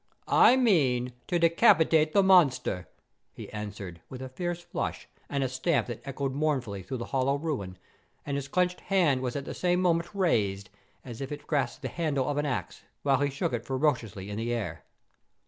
"I mean, to decapitate the monster," he answered, with a fierce flush, and a stamp that echoed mournfully through the hollow ruin, and his clenched hand was at the same moment raised, as if it grasped the handle of an axe, while he shook it ferociously in the air.